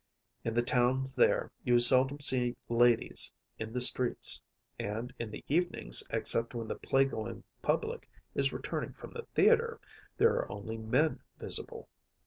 In the towns there you seldom see ladies in the streets; and in the evenings, except when the play going public is returning from the theatre, there are only men visible.